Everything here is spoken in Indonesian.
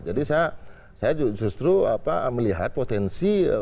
jadi saya justru melihat potensi